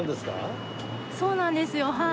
そうなんですよはい。